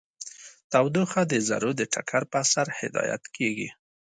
تودوخه د ذرو د ټکر په اثر هدایت کیږي.